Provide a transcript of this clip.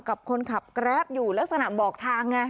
กับคนขับแกรปอยู่ลักษณะบอกทางไง